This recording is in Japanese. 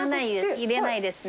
入れないですね。